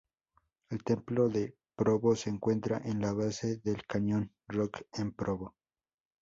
El Templo de Provo se encuentra en la base del Cañón Rock en Provo.